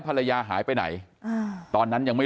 กลุ่มตัวเชียงใหม่